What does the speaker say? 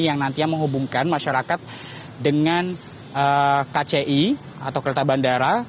yang nantinya menghubungkan masyarakat dengan kci atau kereta bandara